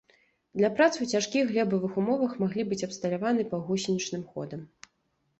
Для працы ў цяжкіх глебавых умовах маглі быць абсталяваны паўгусенічным ходам.